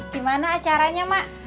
gimana acaranya mak